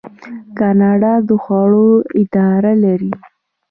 کاناډا د خوړو اداره لري.